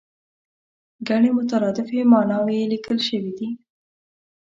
ګڼې مترادفې ماناوې یې لیکل شوې دي.